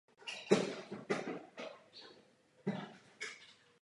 Příslušné okrouhlé hodnoty můžeme získat výpočtem nebo graficky.